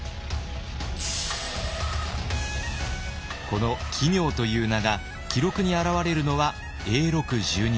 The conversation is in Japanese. この「奇妙」という名が記録に表れるのは永禄１２年。